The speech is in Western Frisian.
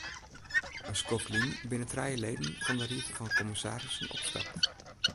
In skoft lyn binne trije leden fan de ried fan kommissarissen opstapt.